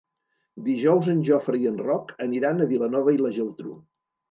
Dijous en Jofre i en Roc aniran a Vilanova i la Geltrú.